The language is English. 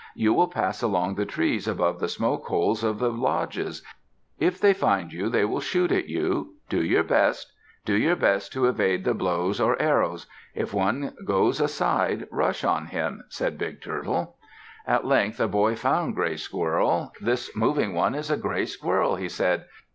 "You will pass along the trees above the smoke holes of the lodges. If they find you, they will shoot at you. Do your best. Do your best to evade the blows or arrows. If one goes aside, rush on him," said Big Turtle. At length a boy found Gray Squirrel. "This moving one is a gray squirrel," he said.